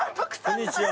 こんにちは。